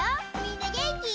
みんなげんき？